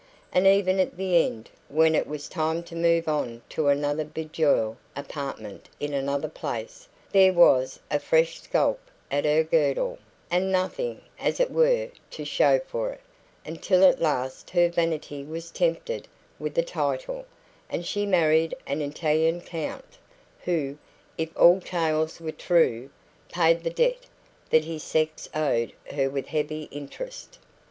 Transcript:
And ever at the end, when it was time to move on to another BIJOU apartment in another place, there was a fresh scalp at her girdle, and nothing, as it were, to show for it, until at last her vanity was tempted with a title, and she married an Italian count, who, if all tales were true, paid the debt that his sex owed her with heavy interest.